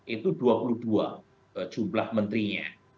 itu dua puluh dua jumlah menterinya